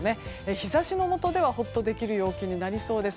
日差しのもとでは、ほっとできる陽気になりそうです。